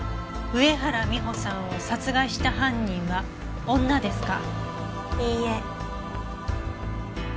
上原美帆さんを殺害した犯人は女ですか。